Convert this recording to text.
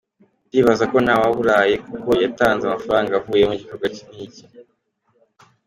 Ndibaza ko ntawaburaye kuko yatanze amafaranga avuyemo igikorwa nk’iki.